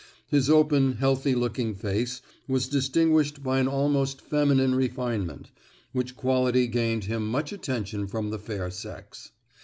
His open, healthy looking face was distinguished by an almost feminine refinement, which quality gained him much attention from the fair sex.